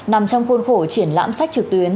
năm trong khuôn khổ triển lãm sách trực tuyến